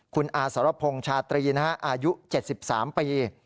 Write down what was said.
คุณอาสาวพงศ์ชาตรีนะครับอายุ๗๓ปี